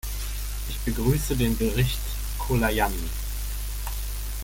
Ich begrüße den Bericht Colajanni.